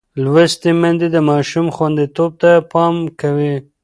لوستې میندې د ماشوم خوندیتوب ته پام کوي.